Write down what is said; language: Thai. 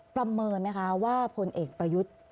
ประเมินไหมคะว่าพลเอกประยุทธ์